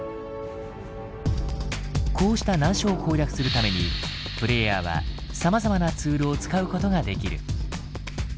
こうした難所を攻略するためにプレイヤーはさまざまなツールを使うことができる。